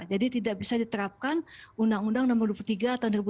jadi tidak bisa diterapkan undang undang no dua puluh tiga atau no dua ribu dua